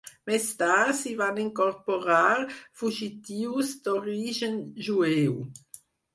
Més tard s'hi van incorporar fugitius d'origen jueu.